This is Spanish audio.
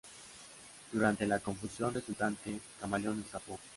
Durante la confusión resultante, Camaleón escapó.